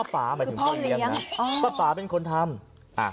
ป๊าคือพ่อเลี้ยงป๊าป๊าเป็นคนทำ